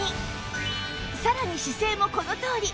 さらに姿勢もこのとおり